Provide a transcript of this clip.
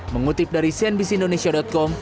mengutip dari cnbc indonesia com